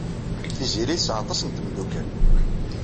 Tiziri tesɛa aṭas n tmeddukal.